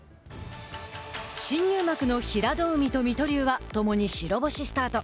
新入幕の平戸海と水戸龍は共に白星スタート。